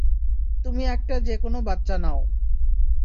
তুমি একটা যে কোন বাচ্চা নও।